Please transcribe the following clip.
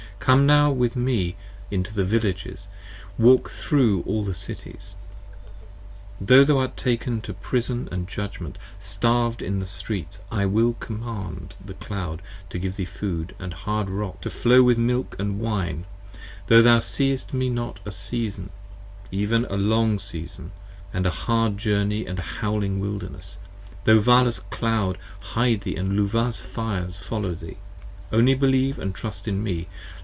Come now with me into the villages, walk thro' all the cities : Tho' thou art taken to prison & judgment, starved in the streets, 25 I will command the cloud to give thee food & the hard rock To flow with milk & wine, tho' thou seest me not a season, Even a long season, & a hard journey & a howling wilderness: Tho' Vala's cloud hide thee & Luvah's fires follow thee: Only believe & trust in me.